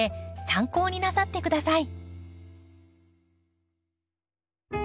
参考になさって下さい。